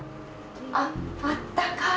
あっあったかい。